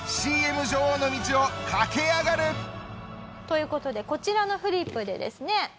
ＣＭ女王の道を駆け上がる！という事でこちらのフリップでですね。